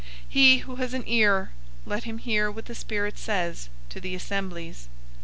003:006 He who has an ear, let him hear what the Spirit says to the assemblies.